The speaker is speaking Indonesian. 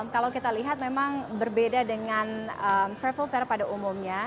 kalau kita lihat memang berbeda dengan travel fair pada umumnya